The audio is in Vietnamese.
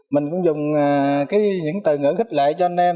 mình cũng dùng những từ ngữ khích lệ cho anh em